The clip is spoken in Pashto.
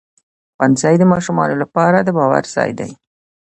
ښوونځی د ماشومانو لپاره د باور ځای دی